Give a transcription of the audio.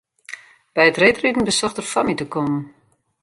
By it reedriden besocht er foar my te kommen.